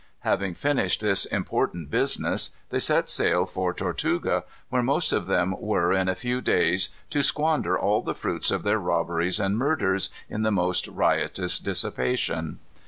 Having finished this important business, they set sail for Tortuga, where most of them were, in a few days, to squander all the fruits of their robberies and murders, in the most riotous dissipation.